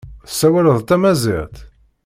Tessawaleḍ tamaziɣt?